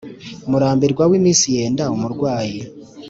vmurambirwa w'iminsi yenda umurwayì